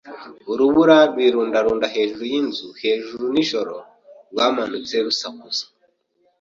Urubura rwarundarunda hejuru yinzu hejuru nijoro rwamanutse rusakuza